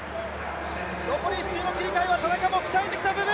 残り１周の切り替えは田中も鍛えてきた部分！